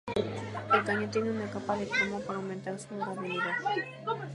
El cañón tiene una capa de cromo para aumentar su durabilidad.